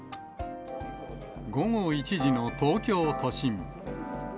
午後１時の東京都心。